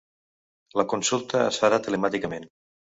La consulta es farà telemàticament